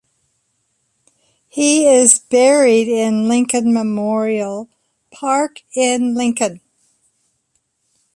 He is buried in Lincoln Memorial Park in Lincoln.